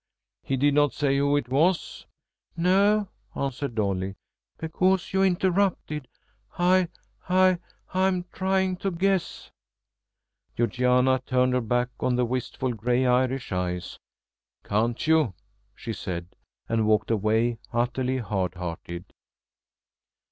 "He did not say who it was?" "No," answered Dolly, "because you interrupted. I I I'm trying to guess." Georgiana turned her back on the wistful grey Irish eyes. "Can't you?" she said, and walked away, utterly hard hearted.